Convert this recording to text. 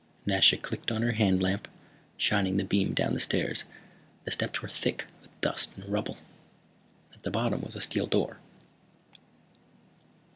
Nasha clicked on her hand lamp, shining the beam down the stairs. The steps were thick with dust and rubble. At the bottom was a steel door.